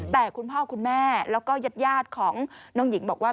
แต่คุณพ่อคุณแม่แล้วก็ญาติของน้องหญิงบอกว่า